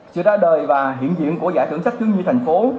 sự ra đời và hiện diện của giải thưởng sách tương nhi thành phố